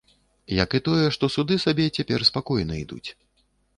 Як і тое, што суды сабе цяпер спакойна ідуць.